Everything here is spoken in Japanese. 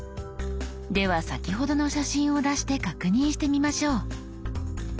では先ほどの写真を出して確認してみましょう。